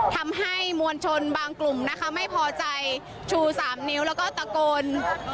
ทำให้มวลชนบางกลุ่มนะคะไม่พอใจชู๓นิ้วแล้วก็ตะโกน